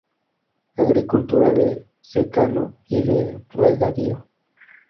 Agricultura de secano y de regadío.